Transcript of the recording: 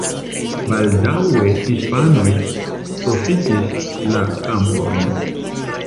Baldaŭe hispanoj profitis la kampojn.